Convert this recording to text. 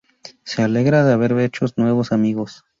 Se alegra de haber hecho nuevos amigos.